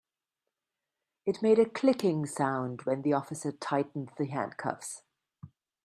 It made a clicking sound when the officer tightened the handcuffs.